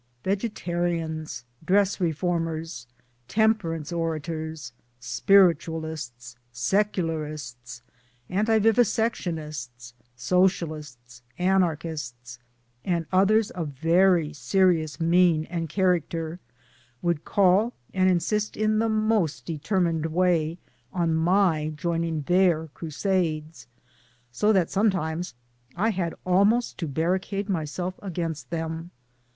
Vegetarians, dress reformers, temperance orators, spiritualists, secularists, anti vivisectionists, socialists, anarchists and others of very serious mien and char acter would call and insist in the most determined way on my joining their crusades so that some times I had almost to barricade myself against them.